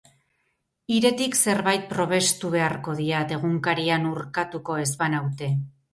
Hiretik zerbait probestu beharko diat, egunkarian urkatuko ez banaute.